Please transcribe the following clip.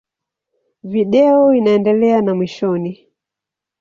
Video inaendelea na mwishoni.